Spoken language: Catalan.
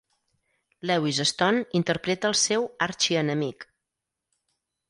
Lewis Stone interpreta el seu arxienemic.